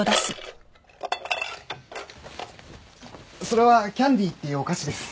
それはキャンディーっていうお菓子です。